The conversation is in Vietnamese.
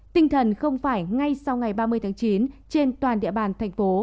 tinh thần không phải ngay sau ngày ba mươi tháng chín trên toàn địa bàn thành phố